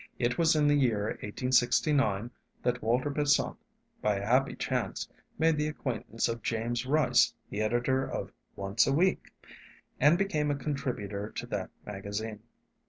It was in the year 1869 that Walter Besant, by a happy chance, made the acquaintance of James Rice, the editor of Once a Week, and became a contributor to that magazine.